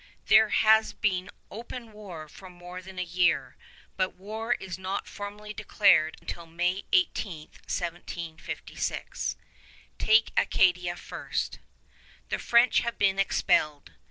There has been open war for more than a year, but war is not formally declared till May 18, 1756. Take Acadia first. The French have been expelled.